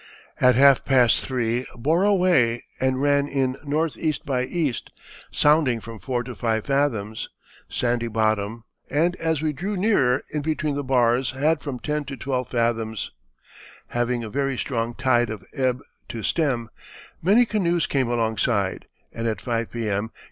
At half past three bore away and ran in N.E. by E. sounding from 4 to 5 fathoms, sandy bottom, and as we drew nearer in between the bars had from 10 to 12 fathoms. Having a very strong tide of ebb to stem, many canoes came alongside, and at 5 P.M.